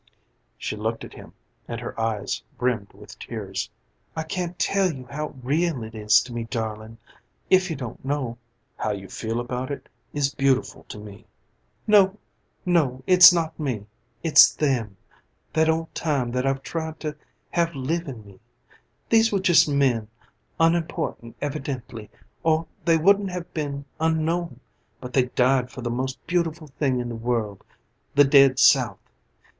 '" She looked at him and her eyes brimmed with tears. "I can't tell you how real it is to me, darling if you don't know." "How you feel about it is beautiful to me." "No, no, it's not me, it's them that old time that I've tried to have live in me. These were just men, unimportant evidently or they wouldn't have been 'unknown'; but they died for the most beautiful thing in the world the dead South.